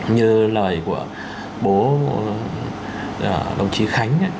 như lời của bố đồng chí khánh ấy